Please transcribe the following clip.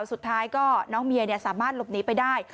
สุดท้ายก็น้องเมียสามารถหลบหนีไปได้